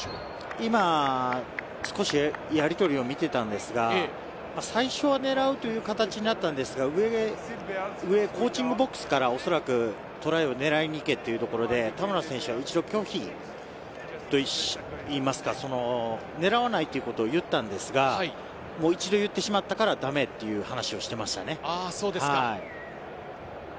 今、少しやりとりを見ていたんですが、最初、狙うという形になったんですが、コーチングボックスから、おそらくトライを狙いに行けというところで、田村選手は一度拒否といいますか、狙わないというのを言ったんですが、一度、言ってしまったからダメという話をしていましたね。